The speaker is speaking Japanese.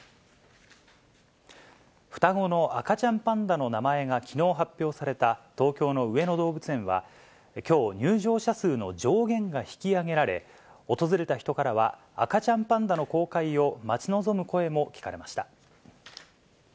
双子の赤ちゃんパンダの名前がきのう発表された、東京の上野動物園は、きょう、入場者数の上限が引き上げられ、訪れた人からは、赤ちゃんパンダの公開を待ち望む声も聞かれました。